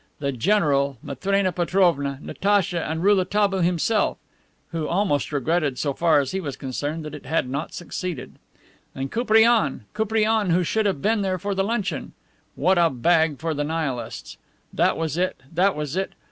The general, Matrena Petrovna, Natacha and Rouletabille himself (who almost regretted, so far as he was concerned, that it had not succeeded) and Koupriane! Koupriane, who should have been there for luncheon. What a bag for the Nihilists! That was it, that was it.